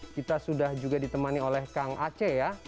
kita sudah juga ditemani oleh kang aceh ya